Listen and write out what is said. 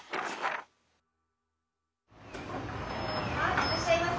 いらっしゃいませ。